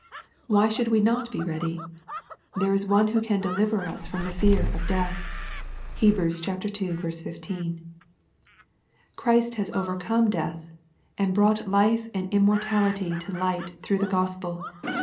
Why should we not bo ready ? There is one who can deliver us fropi the fear of death. (Heb. ii. 15.) Christ has overcome death, and " brought life and immortality to light through the Gospel.''